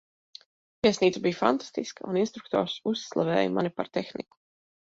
Viesnīca bija fantastiska, un instruktors uzslavēja mani par tehniku.